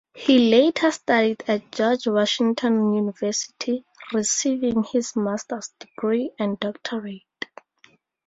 He later studied at George Washington University, receiving his master's degree and doctorate.